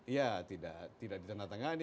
ya tidak tidak ditanda tangan